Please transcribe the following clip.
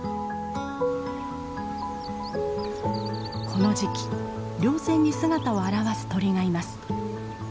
この時期りょう線に姿を現す鳥がいます。